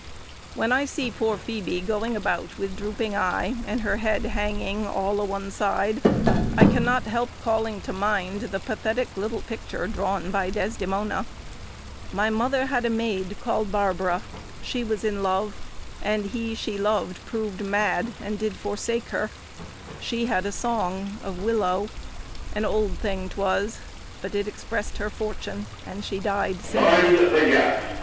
When I see poor Phoebe going about with drooping eye, and her head hanging "all o' one side," I cannot help calling to mind the pathetic little picture drawn by Desdemona: "My mother had a maid, called Barbara; She was in love; and he she loved proved mad And did forsake her; she had a song of willow, An old thing 'twas; but it expressed her fortune, And she died singing it."